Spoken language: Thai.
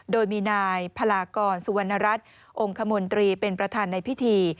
โดยมีนายพลากรสุวรรณรัฐองค์คมนตรีเป็นประธานในพิธี